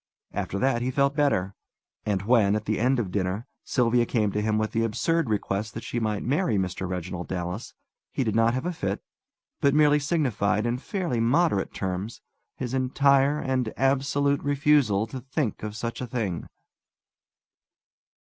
After that he felt better. And when, at the end of dinner, Sylvia came to him with the absurd request that she might marry Mr. Reginald Dallas he did not have a fit, but merely signified in fairly moderate terms his entire and absolute refusal to think of such a thing.